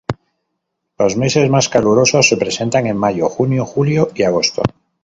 Los meses más calurosos se presentan en mayo, junio, julio y agosto.